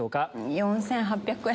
４８００円。